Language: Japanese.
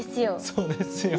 そうですよね。